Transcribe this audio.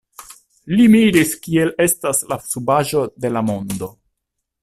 Li miris kiel estas la subaĵo de la mondo.